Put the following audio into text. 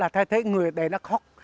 thay thế người để nó khóc